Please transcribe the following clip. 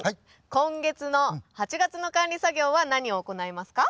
今月の８月の管理作業は何を行いますか？